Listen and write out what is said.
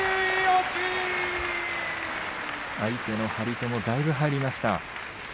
相手の張り手もだいぶ入りました。